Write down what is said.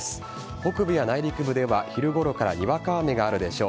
北部や内陸部では昼ごろからにわか雨があるでしょう。